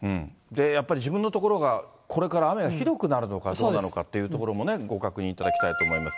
やっぱり自分の所がこれから雨がひどくなるのかどうなのかっていうところもね、ご確認いただきたいと思います。